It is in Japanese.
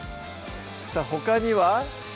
さぁほかには？